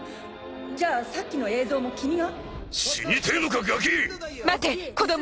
じゃあさっきの映像も君が？